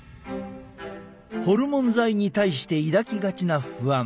ホルモン剤に対して抱きがちな不安。